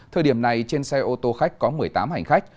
thời điểm này trên xe ô tô khách có một mươi tám hành khách